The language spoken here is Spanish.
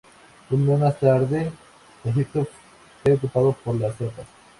Un mes más tarde todo Egipto fue ocupado por las tropas.